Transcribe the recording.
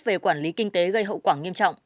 về quản lý kinh tế gây hậu quả nghiêm trọng